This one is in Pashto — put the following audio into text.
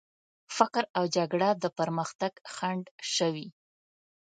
فقر او جګړه د پرمختګ خنډ شوي.